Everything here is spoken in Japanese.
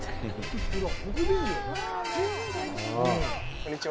こんにちは。